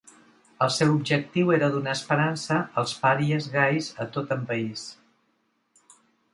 El seu objectiu era donar esperança als pàries gais a tot en país.